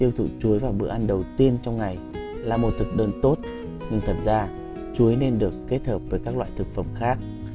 tiêu thụ chuối vào bữa ăn đầu tiên trong ngày là một thực đơn tốt nhưng thật ra chuối nên được kết hợp với các loại thực phẩm khác